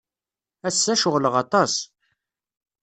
Ass-a, ceɣleɣ aṭas.